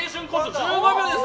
１５秒です。